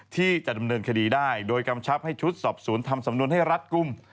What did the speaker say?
ที่จะดำเนินคดีได้โดยกำชับให้ชุดสอบสวนทำสำนวนให้รัฐกลุ่ม